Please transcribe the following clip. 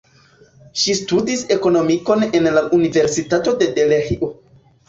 Ŝi studis ekonomikon en la Universitato de Delhio.